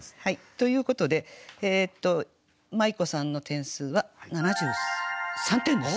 ということでまい子さんの点数は７３点です。